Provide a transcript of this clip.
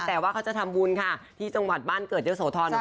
แต่ว่าเขาจะทำบุญค่ะที่จังหวัดบ้านเกิดเยอะโสธร